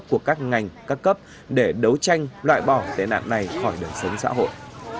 của các ngành các cấp để đấu tranh loại bỏ tệ nạn này khỏi đời sống xã hội